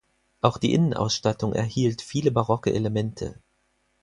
Auch die Innenausstattung erhielt viele barocke Elemente.